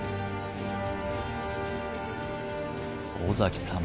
尾崎さん